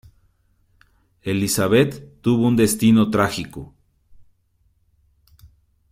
Elisabeth tuvo un destino trágico.